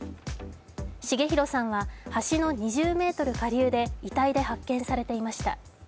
重弘さんは橋の２０ｍ下流で遺体で発見されていました。